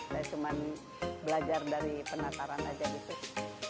saya cuma belajar dari penataran aja gitu